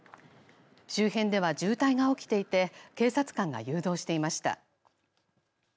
周辺では渋滞が起きていて警察官が誘導していました。